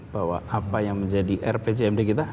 bahwa apa yang menjadi rpcmd kita